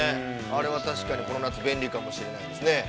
あれは確かにこの夏、便利かもしれないですね。